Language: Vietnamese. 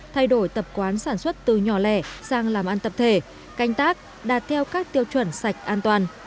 thay đổi tập quán sản xuất từ nhỏ lẻ sang làm ăn tập thể canh tác đạt theo các tiêu chuẩn sạch an toàn